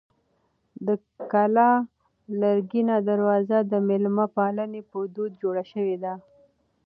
د کلا لرګینه دروازه د مېلمه پالنې په دود جوړه شوې وه.